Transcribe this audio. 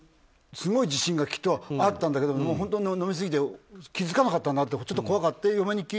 すごい地震がきっとあったんだけど本当に飲みすぎて気付かなかったんだってちょっと怖くて。